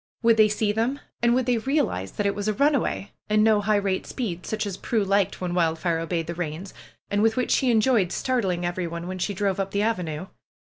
Would they see them? And would they realize that it was a run away, and no high rate speed, such as Prue liked when Wildfire obeyed the reins, and with which she enjoyed startling everyone when she drove up the avenue?